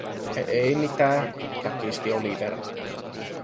“E-ei mitää…”, kakisti Oliver.